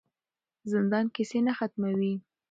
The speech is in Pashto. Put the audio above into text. زندان کیسې نه ختموي.